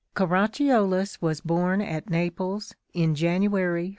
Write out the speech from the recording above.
^ Caracciolus was born at Naples in January 1517.